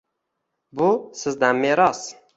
Bu — sizdan meros.